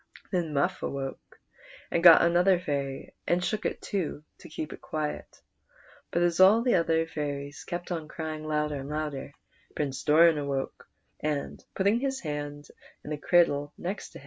Then Muff awoke and got another fairy, and shook it too, to keep it quiet ; but as all the other fairies kept on crying louder and louder, Prince Doran awoke, and putting his hand in the cradle next too PRINCE DORAN.